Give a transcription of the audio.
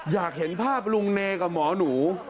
อยากเห็นภาพลุงเนกับหมอหนู